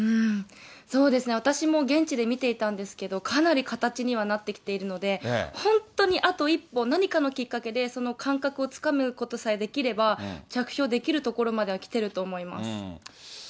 そうですね、私も現地で見ていたんですけど、かなり形にはなってきているので、本当にあと一歩、何かのきっかけでその感覚をつかむことさえできれば、着氷できるところまでは来ていると思います。